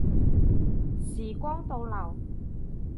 時光倒流